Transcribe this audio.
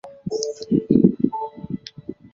本科的鸟是晚成雏。